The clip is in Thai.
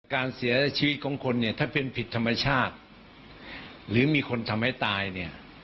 การเสียชีวิตของคนเนี่ยถ้าเป็นผิดธรรมชาติหรือมีคนทำให้ตายเนี่ย